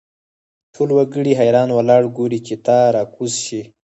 ټول وګړي حیران ولاړ ګوري چې ته را کوز شې.